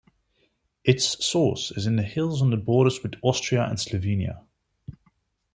Its source is in the hills on the borders with Austria and Slovenia.